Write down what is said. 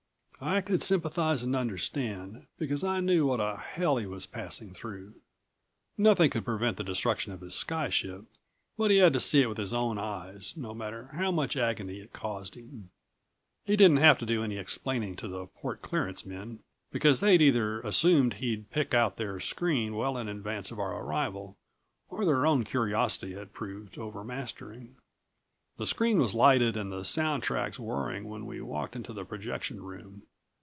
I could sympathize and understand, because I knew what a hell he was passing through. Nothing could prevent the destruction of his sky ship, but he had to see it with his own eyes, no matter how much agony it caused him. He didn't have to do any explaining to the Port Clearance men, because they'd either assumed he'd pick out their screen well in advance of our arrival or their own curiosity had proved overmastering. The screen was lighted and the sound tracks whirring when we walked into the projection room.